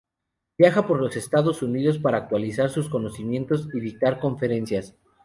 Viaja por los Estados Unidos para actualizar sus conocimientos y dictar conferencias.